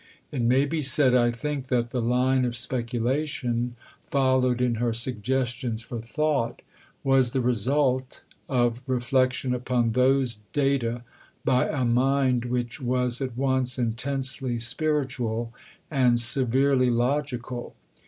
It may be said, I think, that the line of speculation followed in her Suggestions for Thought was the result of reflection upon those data by a mind which was at once intensely spiritual and severely logical.